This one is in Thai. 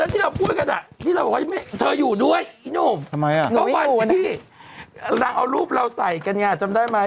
เธออยู่ด้วยเนาะเทมด้วย